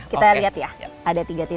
kita lihat ya ada tiga titik